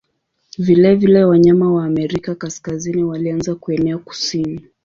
Vilevile wanyama wa Amerika Kaskazini walianza kuenea kusini.